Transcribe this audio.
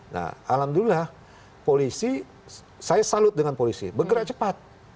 nah alhamdulillah polisi saya salut dengan polisi bergerak cepat